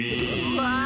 わあ！